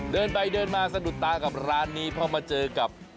เดินไปเดินมาสะดุดตากับร้านนี้เพราะมาเจอกับ